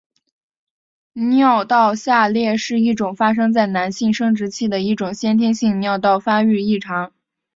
尿道下裂是一种发生在男性生殖器的一种先天性尿道发育异常。